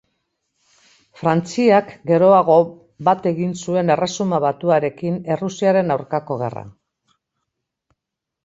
Frantziak geroago bat egin zuen Erresuma Batuarekin Errusiaren aurkako gerran.